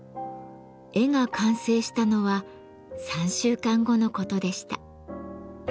絵が完成したのは３週間後のことでした。